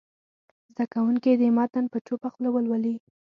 زده کوونکي دې متن په چوپه خوله ولولي.